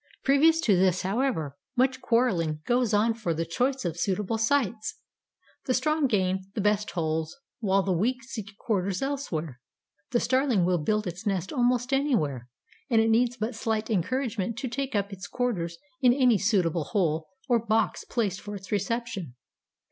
Previous to this, however, much quarreling goes on for the choice of suitable sites. The strong gain the best holes, while the weak seek quarters elsewhere. The Starling will build its nest almost anywhere, and it needs but slight encouragement to take up its quarters in any suitable hole or box placed for its reception.